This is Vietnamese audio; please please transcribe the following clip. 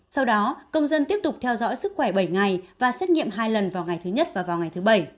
sau đó công dân tiếp tục theo dõi sức khỏe bảy ngày và xét nghiệm hai lần vào ngày thứ nhất và vào ngày thứ bảy